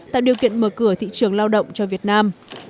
tạo điều kiện mở cửa thị trường lao động cho việt nam